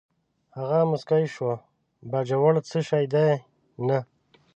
هغه موسکی شو: باجوړ څه شی دی، نه.